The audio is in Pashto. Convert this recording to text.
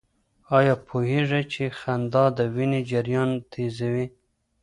آیا پوهېږئ چې خندا د وینې جریان تېزوي؟